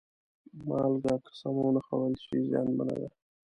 مالګه که سمه ونه خوړل شي، زیانمنه ده.